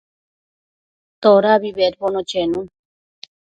Todabi bedbono chenun